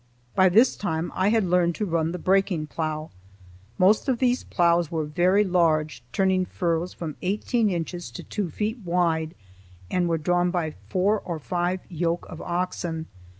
By this time I had learned to run the breaking plough. Most of these ploughs were very large, turning furrows from eighteen inches to two feet wide, and were drawn by four or five yoke of oxen.